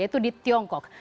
yaitu di tiongkok